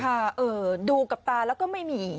เออดูกับตาแล้วก็ไม่มี